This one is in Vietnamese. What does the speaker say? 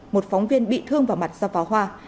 một phóng viên bị thương vào mặt ra pháo hoa